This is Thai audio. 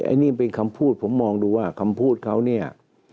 อันนี้เป็นคำพูดผมมองดูว่าคำพูดเขาเนี่ย